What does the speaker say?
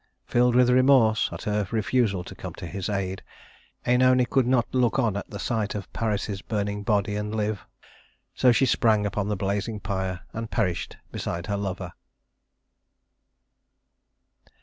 Filled with remorse at her refusal to come to his aid, Œnone could not look on at the sight of Paris's burning body and live; so she sprang upon the blazing pyre and perished beside her lover.